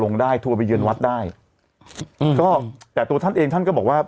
ได้โทรไปเยือนวัดได้อืมก็แต่ตัวท่านเองท่านก็บอกว่า